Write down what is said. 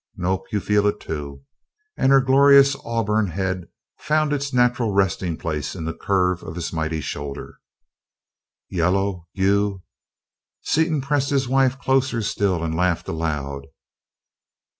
"Nope, you feel it, too," and her glorious auburn head found its natural resting place in the curve of his mighty shoulder. "Yellow!... You?" Seaton pressed his wife closer still! and laughed aloud.